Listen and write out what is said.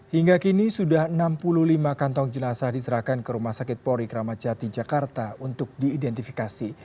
hingga kini sudah enam puluh lima kantong jenazah diserahkan ke rumah sakit pori kramat jati jakarta untuk diidentifikasi